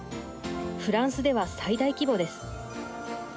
フランスでは最大規模です。